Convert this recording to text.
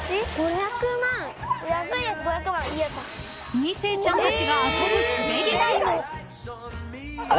［２世ちゃんたちが遊ぶ滑り台も］